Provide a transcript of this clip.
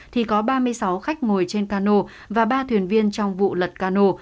thì có ba mươi sáu khách ngồi trên cano và ba thuyền viên trong vụ lật cano